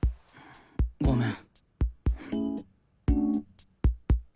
ごめん。